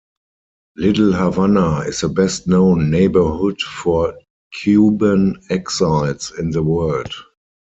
Little Havana is the best known neighborhood for Cuban exiles in the world.